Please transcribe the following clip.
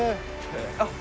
あっ。